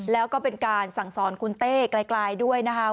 แล้วก็เป็นการสั่งสอนคุณเต้ไกลด้วยนะคะ